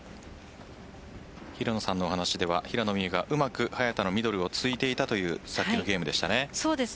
平野さんの話では平野美宇がうまく早田のミドルを突いていたという先ほどのゲームでした。